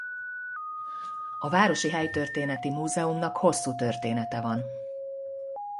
A városi helytörténeti múzeumnak hosszú története van.